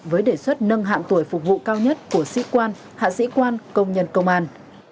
với đề xuất nâng hạng tuổi phục vụ cao nhất của sĩ quan hạ sĩ quan công nhân công an